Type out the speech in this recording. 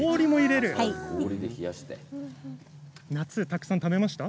夏にたくさん食べましたか。